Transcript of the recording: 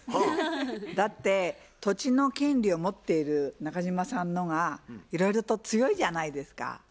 だって土地の権利を持っている中島さんのがいろいろと強いじゃないですか。